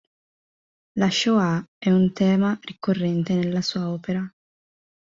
La shoah è un tema ricorrente della sua opera.